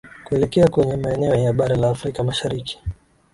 Kuelekea kwenye maeneo ya Bara la Afrika Mashariki